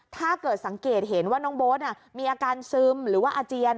ถ้าเกิดสังเกตเห็นว่าน้องโบ๊ทมีอาการซึมหรือว่าอาเจียน